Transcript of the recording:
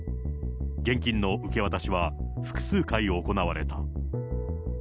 現金の受け渡しは複数回行われた。